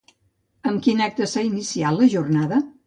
Amb quin acte s'ha iniciat la jornada?